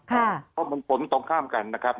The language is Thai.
เพราะมันผลตรงข้ามกันนะครับ